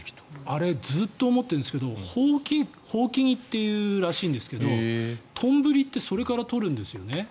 あれずっと思っているんですがホウキギっていうらしいんですがトンブリってそれから取るんですよね？